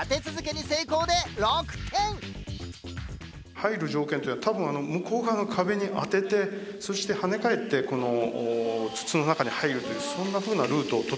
入る条件というのは多分向こう側の壁に当ててそして跳ね返ってこの筒の中に入るというそんなふうなルートをとってますね。